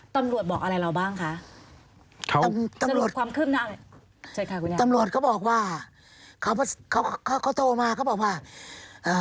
ตำรวจบอกอะไรเราบ้างคะตำรวจความขึ้นตำรวจเขาบอกว่าเขาเขาเขาเขาโทรมาเขาบอกว่าเอ่อ